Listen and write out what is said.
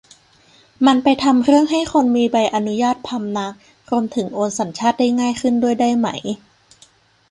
มันไปทำเรื่องให้คนมีใบอนุญาติพำนัก รวมถึงโอนสัญชาติได้ง่ายขึ้นด้วยได้ไหม